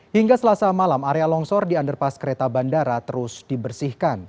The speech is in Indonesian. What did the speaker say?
hingga selasa malam area longsor di underpass kereta bandara terus dibersihkan